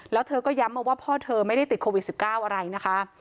แล้วเธอก็ย้ำมาว่าพ่อเธอไม่ได้ติดโควิด๑๙อะไรนะคะ